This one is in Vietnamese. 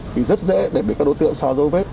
thì rất dễ để bị các đối tượng xóa dấu vết